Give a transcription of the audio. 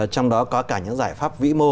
trong đó có cả những giải pháp vĩ mô